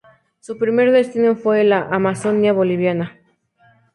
Su primer destino fue la Amazonia boliviana.